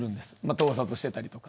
盗撮してたりとか。